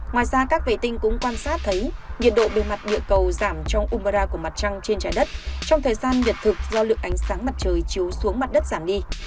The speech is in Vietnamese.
ngoài ra các vệ tinh cũng quan sát thấy nhiệt độ bề mặt địa cầu giảm trong umara của mặt trăng trên trái đất trong thời gian biệt thực do lượng ánh sáng mặt trời chiếu xuống mặt đất giảm đi